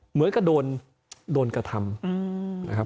เหมือนกับโดนกระทำ